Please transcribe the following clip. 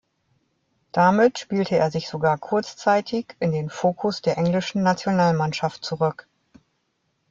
Damit spielte er sich sogar kurzzeitig in den Fokus der englischen Nationalmannschaft zurück.